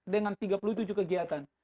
dengan tiga puluh tujuh kegiatan